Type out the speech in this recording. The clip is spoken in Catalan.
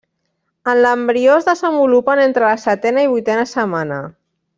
En l'embrió es desenvolupen entre la setena i vuitena setmana.